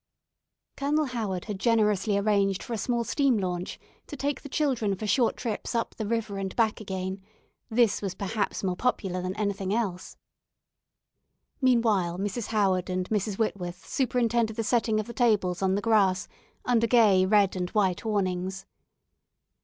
Colonel Howard had generously arranged for a small steam launch to take the children for short trips up the river and back again; this was perhaps more popular than anything else. Meanwhile Mrs. Howard and Mrs. Whitworth superintended the setting of the tables on the grass under gay red and white awnings.